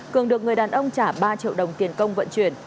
cường được người đàn ông trả ba triệu đồng tiền công vận chuyển